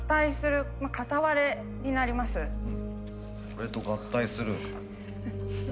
これと合体する。